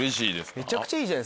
めちゃくちゃいい。